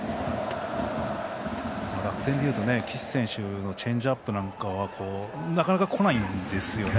楽天でいうと岸選手のチェンジアップはなかなかこないんですよね